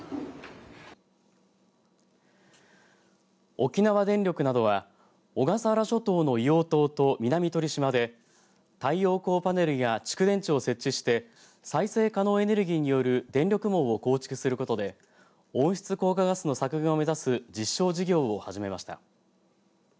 沖縄電力などは小笠原諸島の硫黄島と南鳥島で太陽光パネルや蓄電池を設置して再生可能エネルギーによる電力網を構築することで温室効果ガスの削減を目指す実証事業を始めました。